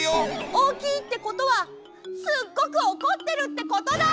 おおきいってことはすっごくおこってるってことだ！